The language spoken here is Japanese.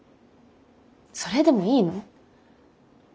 それでもいいの？